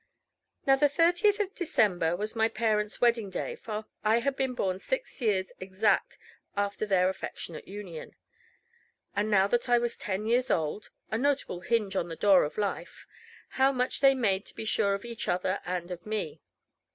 Now, the 30th of December was my parents' wedding day, for I had been born six years exact after their affectionate union. And now that I was ten years old a notable hinge on the door of life how much they made, to be sure, of each other and of me!